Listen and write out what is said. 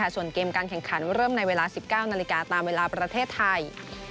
ส่วนเกมการแข่งขันเริ่มในเวลา๑๙นาฬิกาตามเวลาประเทศไทย